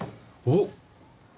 おっ！